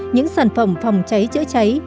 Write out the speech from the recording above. những sản phẩm phòng cháy chữa cháy